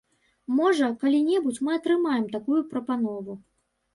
Можа, калі-небудзь мы атрымаем такую прапанову.